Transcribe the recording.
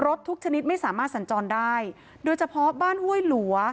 ทุกชนิดไม่สามารถสัญจรได้โดยเฉพาะบ้านห้วยหลัว